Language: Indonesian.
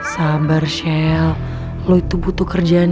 sabar shell lo itu butuh kerjaan